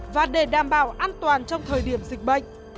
và để đảm bảo an toàn trong thời điểm dịch bệnh